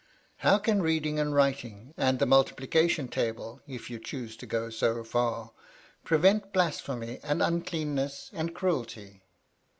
How can reading and writing, and the multiplication table (if you choose to go so far), prevent blasphemy, and uncleanness and cruelty